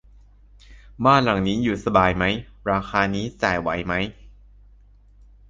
บ้านหลังนี้อยู่สบายไหม ราคานี้จ่ายไหวไหม